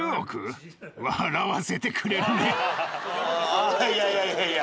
ああいやいやいやいや。